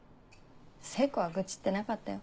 聖子は愚痴ってなかったよ。